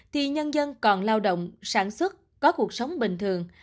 thì nhân dân còn lao động sản xuất có cuộc sống bình thường